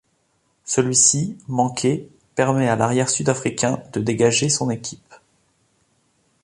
Celui-ci, manqué, permet à l’arrière sud-africain de dégager son équipe.